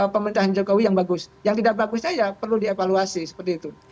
pemerintahan jokowi yang bagus yang tidak bagusnya ya perlu dievaluasi seperti itu